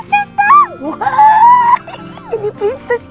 seboard di blogi